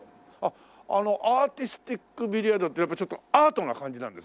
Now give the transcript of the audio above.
あのアーティスティックビリヤードってやっぱちょっとアートな感じなんです？